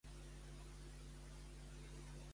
Fan alguna pel·lícula al cinema de l'Arenas de comèdia?